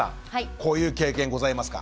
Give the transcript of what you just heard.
こういう経験ございますか？